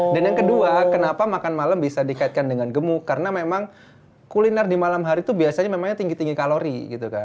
dan yang kedua kenapa makan malam bisa dikaitkan dengan gemuk karena memang kuliner di malam hari tuh biasanya memangnya tinggi tinggi kalori gitu kan